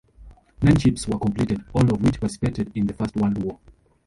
Nine ships were completed, all of which participated in the First World War.